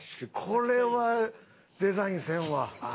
これはデザインせんわ。